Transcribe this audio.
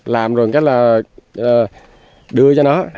làm rồi cái là đưa ra